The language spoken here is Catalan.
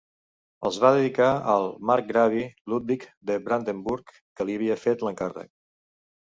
Els va dedicar al marcgravi Ludwig de Brandenburg que li havia fet l'encàrrec.